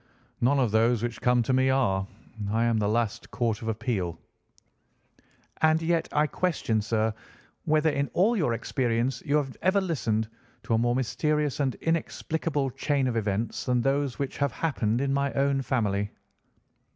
"None of those which come to me are. I am the last court of appeal." "And yet I question, sir, whether, in all your experience, you have ever listened to a more mysterious and inexplicable chain of events than those which have happened in my own family."